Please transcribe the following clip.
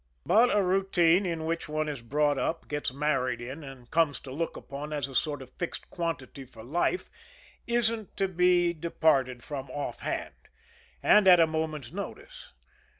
But a routine in which one is brought up, gets married in, and comes to look upon as a sort of fixed quantity for life, isn't to be departed from offhand, and at a moment's notice.